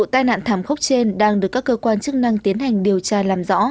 tài xế đang tiến hành điều tra làm rõ